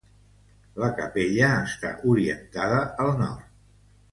La capella està orientada al nord.